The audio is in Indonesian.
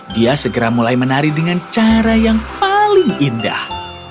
dia segera mulai menari dengan cara yang paling indah